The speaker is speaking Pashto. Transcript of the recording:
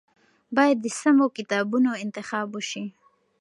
باید د سمو کتابونو انتخاب وشي.